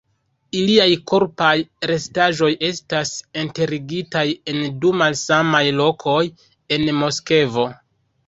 Iliaj korpaj restaĵoj estas enterigitaj en du malsamaj lokoj en Moskvo.